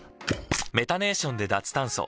メタネーションで脱炭素。